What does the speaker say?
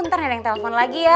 ntar neneng telepon lagi ya